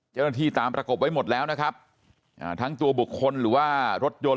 เจ้าหน้าที่ตามประกบไว้หมดแล้วนะครับอ่าทั้งตัวบุคคลหรือว่ารถยนต์